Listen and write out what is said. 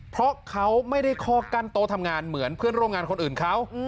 เพราะเขาไม่ได้ข้อกั้นโต๊ะทำงานเหมือนเพื่อนร่วมงานคนอื่นเขา